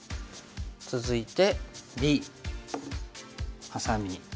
続いてＢハサミ。